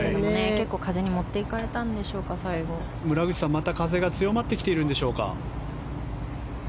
結構風に持っていかれたんでしょうか村口さん、また風が強まってきているんでしょうか。